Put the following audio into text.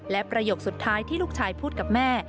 และประโยคสุดท้ายที่ลูกชายพูดกับแม่